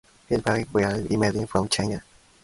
His parents were immigrants from China.